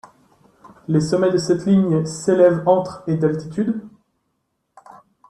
Les sommets de cette ligne s'élèvent entre et d'altitude.